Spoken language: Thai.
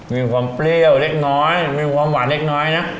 มีความเปรี้ยวเล็กน้อยมีความหวานเล็กน้อยนะ